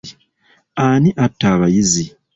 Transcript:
Ani atta abayizi?